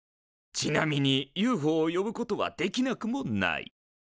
ちなみにＵＦＯを呼ぶことはできなくもない。